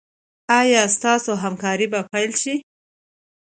ایا ستاسو همکاري به پیل شي؟